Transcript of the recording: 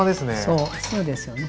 そうそうですよね。